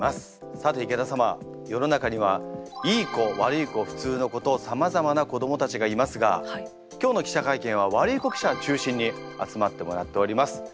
さて池田様世の中にはいい子悪い子普通の子とさまざまな子どもたちがいますが今日の記者会見はワルイコ記者を中心に集まってもらっております。